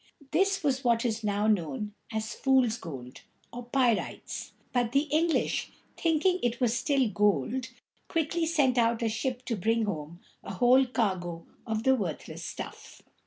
This was what is now known as fool's gold, or pyrites; but the English, thinking it was real gold, quickly sent out a ship to bring home a whole cargo of the worthless stuff.